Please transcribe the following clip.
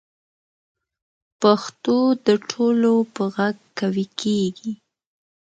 پښتو د ټولو په غږ قوي کېږي.